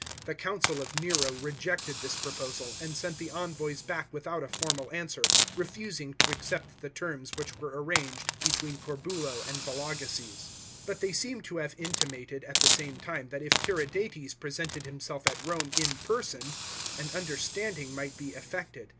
The council of Nero rejected this proposal, and sent the envoys back without a formal answer, refusing to accept the terms which were arranged between Corbulo and Vologeses. But they seem to have intimated at the same time that if Tiridates pre sented himself at Rome in person, an understanding might be effected.